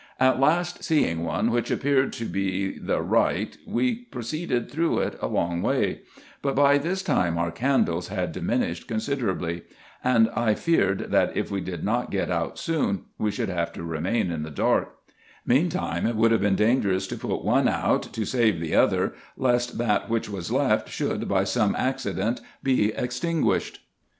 At last seeing one, which appeared to be, the right, we proceeded through it a long way ; but by this time our candles had diminished considerably ; and I feared, that, if we did not get out soon, we should have to remain in the dark : meantime it would have been dangerous to put one out, to save the other, lest that which was left should, by some accident, be extinguished.